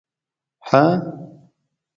_هه!